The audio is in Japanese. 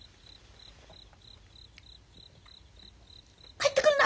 帰ってくるな！